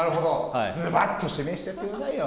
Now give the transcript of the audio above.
ずばっと指名してやってくださいよ。